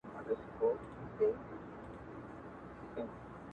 هر سړى پر ځان شكمن سو چي نادان دئ،